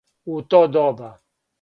У то доба?